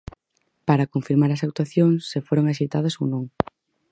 Para confirmar as actuacións, se foron axeitadas ou non.